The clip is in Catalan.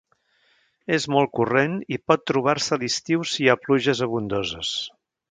És molt corrent i pot trobar-se a l'estiu si hi ha pluges abundoses.